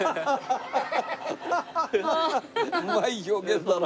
うまい表現だな。